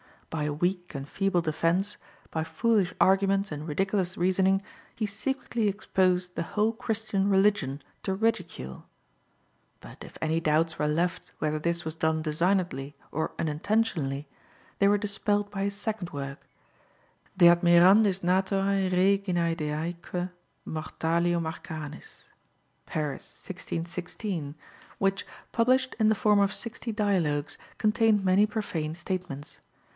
By a weak and feeble defence, by foolish arguments and ridiculous reasoning, he secretly exposed the whole Christian religion to ridicule. But if any doubts were left whether this was done designedly or unintentionally, they were dispelled by his second work, De admirandis naturae reginae deaeque mortalium arcanis (Paris, 1616), which, published in the form of sixty dialogues, contained many profane statements.